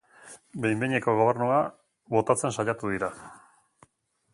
Behin-behineko gobernua botatzen saiatu dira.